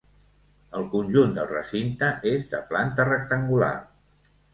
El conjunt del recinte és de planta rectangular.